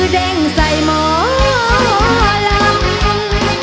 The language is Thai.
เด้งใส่หมอลำ